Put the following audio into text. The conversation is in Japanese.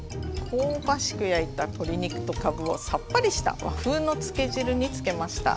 香ばしく焼いた鶏肉とかぶをさっぱりした和風のつけ汁につけました。